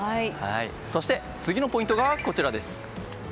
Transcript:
そして次のポイントがこちらです。